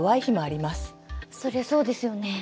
そりゃそうですよね。